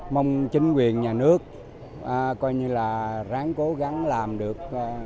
mong chính quyền nhà nước coi như là ráng cố gắng làm được